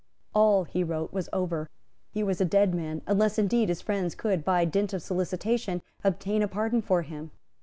All, he wrote, was over; he was a dead man, unless, indeed, his friends could, by dint of solicitation, obtain a pardon for him.